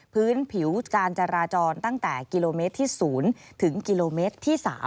พื้นผิวการจราจรตั้งแต่กิโลเมตรที่๐ถึงกิโลเมตรที่๓